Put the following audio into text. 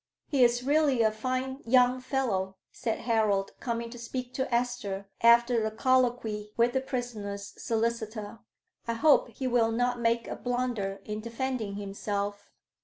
"He is really a fine young fellow," said Harold, coming to speak to Esther after a colloquy with the prisoner's solicitor. "I hope he will not make a blunder in defending himself."